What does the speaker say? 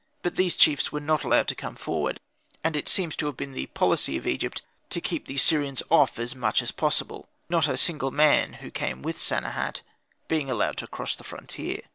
But these chiefs were not allowed to come forward; and it seems to have been the policy of Egypt to keep the Syrians off as much as possible, not a single man who came with Sanehat being allowed to cross the frontier.